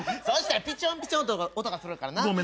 そしたらピチョンピチョンと音がするからな。